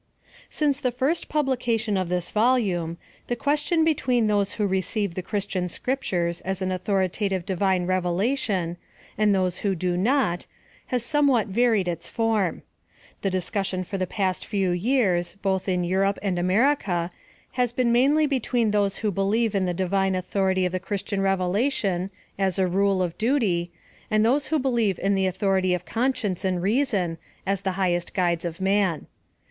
Since the first pablication of this volume, the question between those who receive the Christian Scriptures as an Authoritative Divine Revelation, and those who do not, has somewhat varied its form. The discussion for the past few years, both in Europe and America, has been mainly between those who believe in the Divine Authority of the Christian Revelation, as a rule of duty, and those who believe in the authority of Conscience and Reason, as the highest guides of man.